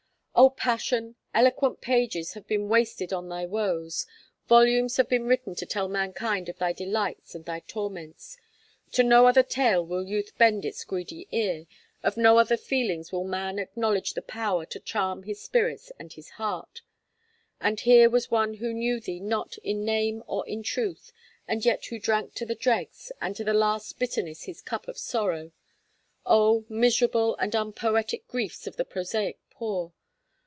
Oh, passion! eloquent pages have been wasted on thy woes; volumes have been written to tell mankind of thy delights and thy torments. To no other tale will youth bend its greedy ear, of no other feelings will man acknowledge the power to charm his spirit and his heart. And here was one who knew thee not in name or in truth, and yet who drank to the dregs, and to the last bitterness his cup of sorrow. Oh! miserable and unpoetic griefs of the prosaic poor.